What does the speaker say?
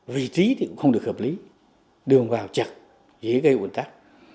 vị trí thì cũng không được hợp lý đường vào chặt dễ gây ồn tắc